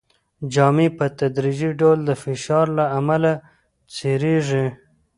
جامې په تدریجي ډول د فشار له امله څیریږي.